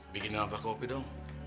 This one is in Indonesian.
bikin apa kau pergi dong